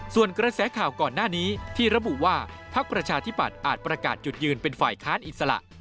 ส่วนกระแสข่าวก่อนหน้านี้ที่ระบุว่าพักประชาธิปัตย์อาจประกาศจุดยืนเป็นฝ่ายค้านอิสระ